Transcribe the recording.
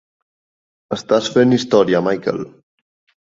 Estàs fent història, Michael.